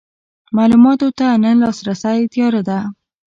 معلوماتو ته نه لاسرسی تیاره ده.